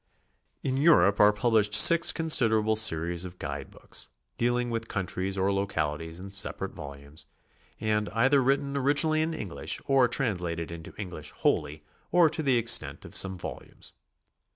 In Europe are publivshed six considerable series of guide books, dealing with countries or localities in separate vol umes, and either written originally in English or translated into English wholly or to the extent of some volumes.